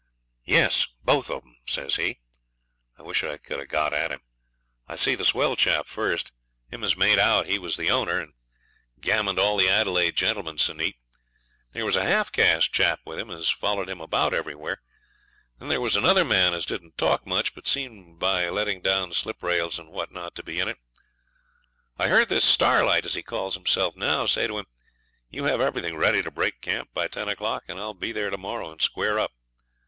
'Yes; both of 'em,' says he. I wish I could have got at him. 'I see the swell chap first him as made out he was the owner, and gammoned all the Adelaide gentlemen so neat. There was a half caste chap with him as followed him about everywhere; then there was another man as didn't talk much, but seemed, by letting down sliprails and what not, to be in it. I heard this Starlight, as he calls hisself now, say to him, "You have everything ready to break camp by ten o'clock, and I'll be there to morrow and square up."